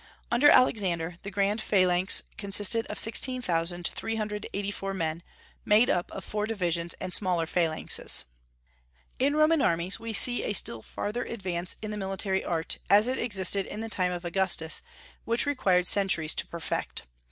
Under Alexander, the grand phalanx consisted of 16,384 men, made up of four divisions and smaller phalanxes. In Roman armies we see a still further advance in the military art, as it existed in the time of Augustus, which required centuries to perfect.